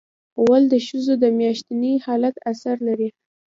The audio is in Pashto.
غول د ښځو د میاشتني حالت اثر لري.